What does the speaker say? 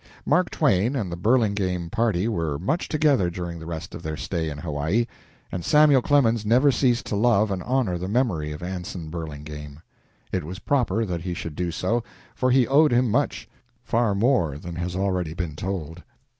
Mark Twain and the Burlingame party were much together during the rest of their stay in Hawaii, and Samuel Clemens never ceased to love and honor the memory of Anson Burlingame. It was proper that he should do so, for he owed him much far more than has already been told.